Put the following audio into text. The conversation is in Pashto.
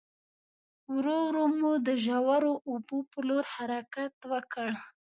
ورو ورو مو د ژورو اوبو په لور حرکت وکړ.